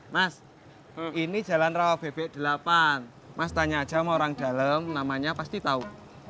mas ini jalan rawa bb delapan mas tanya aja sama orang dalem namanya pasti tau